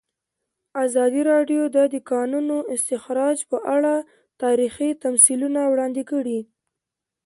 ازادي راډیو د د کانونو استخراج په اړه تاریخي تمثیلونه وړاندې کړي.